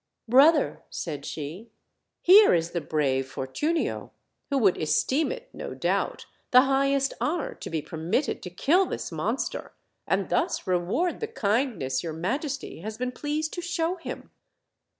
"Brother," said she, "here is the brave Fortunio, who would esteem it, no doubt, the highest honor to be permitted to kill this monster, and thus re ward the kindness your majesty has been pleased to show him."